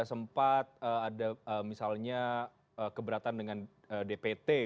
sempat ada misalnya keberatan dengan dpt